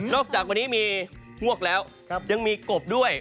จากวันนี้มีงวกแล้วยังมีกบด้วย